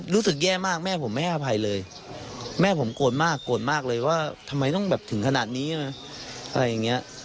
รู้สึกแย่มากแม่ผมไม่อภัยเลยแม่ผมโกนมากเลย